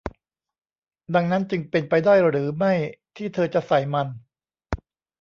ดังนั้นจึงเป็นไปได้หรือไม่ที่เธอจะใส่มัน ?